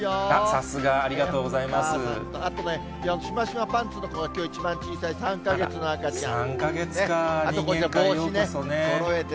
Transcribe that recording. さすが、ありがとうございまあとね、しましまのパンツの子がきょう一番小さい３か月の赤ちゃん。